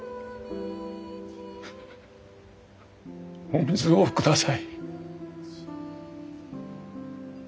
「お水をください」。